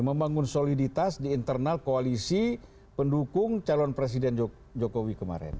membangun soliditas di internal koalisi pendukung calon presiden jokowi kemarin